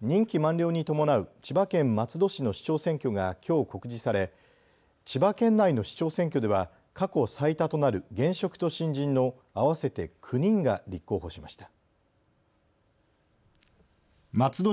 任期満了に伴う千葉県松戸市の市長選挙がきょう告示され千葉県内の市長選挙では過去最多となる現職と新人の合わせて９人が立候補しました。